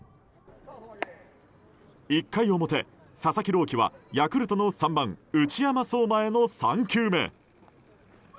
１回表、佐々木朗希はヤクルトの３番、内山壮真への３球目。